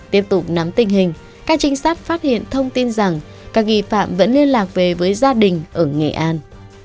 tiếp tục nắm tình hình các trinh sát phát hiện thông tin rằng các nghi phạm vẫn liên lạc về với gia đình ở nghệ an